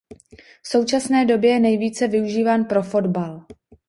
V současné době je nejvíce využíván pro fotbal.